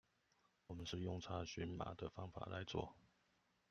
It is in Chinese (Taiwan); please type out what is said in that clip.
我們是用查詢碼的方法來做